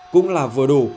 cũng là vừa đủ